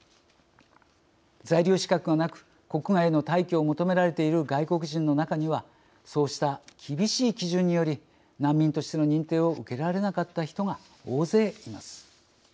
在留資格がなく国外への退去を求められている外国人の中にはそうした厳しい基準により難民としての認定を受けられなかった人が大勢います。